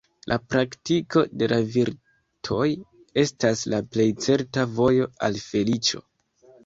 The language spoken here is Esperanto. La praktiko de la virtoj estas la plej certa vojo al feliĉo.